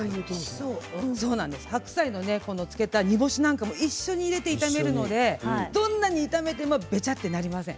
白菜を漬けた煮干しなんかも一緒に入れて炒めるのでどんなに炒めてもべちゃってなりません。